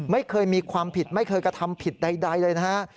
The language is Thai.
ไม่เคยมีความผิดไม่เคยกระทำผิดใดเลยนะฮะ